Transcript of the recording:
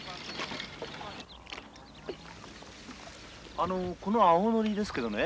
あのこの青ノリですけどね